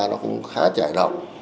nó cũng khá chảy động